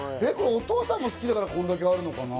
お父さんが好きだから、これだけあるのかな？